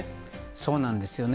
そうなんですよね。